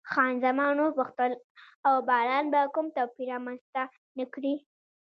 خان زمان وپوښتل، او باران به کوم توپیر رامنځته نه کړي؟